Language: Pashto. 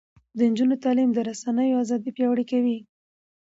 د نجونو تعلیم د رسنیو ازادي پیاوړې کوي.